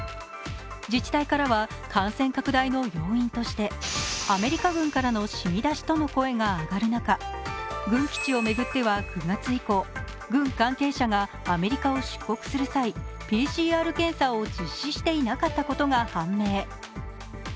自治体からは感染拡大の要因として、アメリカ軍からのしみ出しとの声が上がる中軍基地を巡っては９月以降、軍関係者がアメリカを出国する際、ＰＣＲ検査を実施していなかったことが判明。